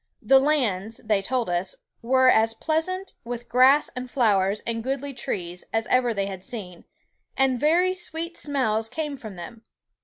The lands, they told us, were as pleasant, with grasse and flowers, and goodly trees, as ever they had seen, and very sweet smells came from them.